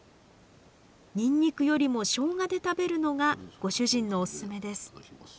ニンニクよりもしょうがで食べるのがご主人のオススメです。